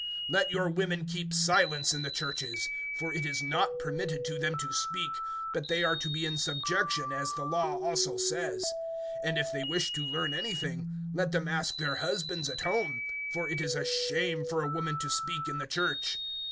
(34)Let your women keep silence in the churches; for it is not permitted to them to speak, but they are to be in subjection, as the law also says. (35)And if they wish to learn anything, let them ask their husbands at home; for it is a shame for a woman to speak in the church.